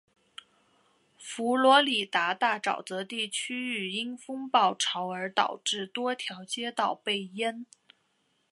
佛罗里达大沼泽地区域因风暴潮而导致多条街道被淹。